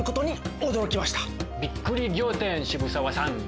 びっくり仰天渋沢さん。